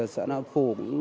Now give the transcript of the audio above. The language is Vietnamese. xã na phổ